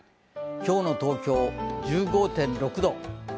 今日の東京、１５．６度。